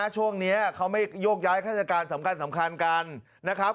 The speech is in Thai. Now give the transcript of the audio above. ช่วงนี้เขาไม่โยกย้ายข้าราชการสำคัญกันนะครับ